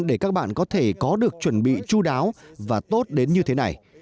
để các bạn có thể có được chuẩn bị chú đáo và tốt đến như thế này